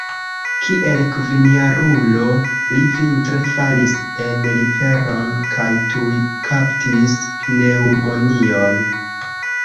Kiel kvinjarulo li vintre falis en riveron kaj tuj kaptis pneŭmonion.